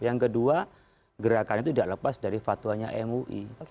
yang kedua gerakan itu tidak lepas dari fatwanya mui